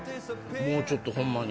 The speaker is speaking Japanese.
ちょっとホンマに。